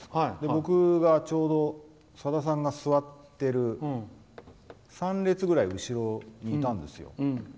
僕がちょうどさださんが座ってる３列ぐらい後ろにいたんですよ。